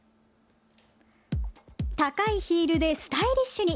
高いヒールでスタイリッシュに。